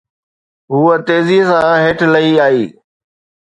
هوءَ تيزيءَ سان هيٺ لهي آئي